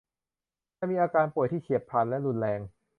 จะมีอาการป่วยที่เฉียบพลันและรุนแรง